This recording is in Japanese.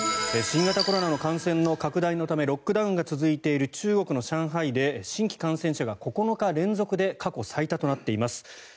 新型コロナの感染の拡大のためロックダウンが続いている中国の上海で新規感染者が９日連続で過去最多となっています。